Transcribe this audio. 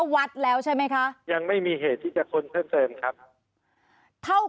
วัดแล้วใช่ไหมคะยังไม่มีเหตุที่จะค้นเพิ่มเติมครับเท่า